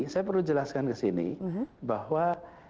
saya perlu jelaskan ke sini bahwa